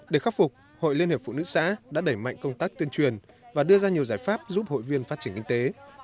để khắc phục hội liên hiệp phụ nữ xã đã đẩy mạnh công tác tuyên truyền và đưa ra nhiều giải pháp giúp hội viên phát triển kinh tế